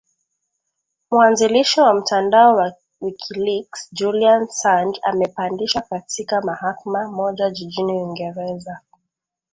mwanzilishi wa mtandao wa wikileaks julian saanj amepandishwa katika mahakama moja jijini uingereza